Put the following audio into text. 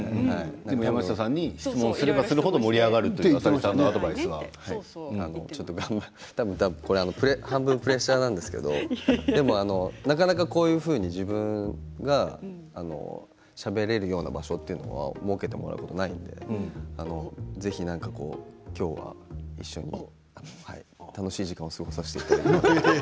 山下さんに質問をすればする程ちょっと半分プレッシャーなんですけどなかなかこういうふうに自分がしゃべれるような場所というのは設けてもらうことはないので、ぜひ今日は一緒に楽しい時間を過ごさせていただければ。